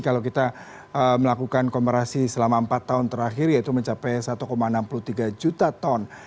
kalau kita melakukan konversi selama empat tahun terakhir yaitu mencapai satu enam puluh tiga juta ton